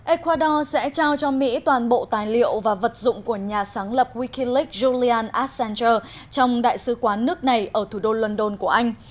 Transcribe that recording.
ecuador sẽ trao cho mỹ toàn bộ tài liệu và vật dụng của nhà sáng lập wikileak julian assanger trong đại sứ quán nước này ở thủ đô london của anh